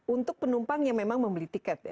untuk penumpang yang memang membeli tiket ya